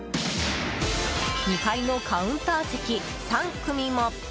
２階のカウンター席３組も。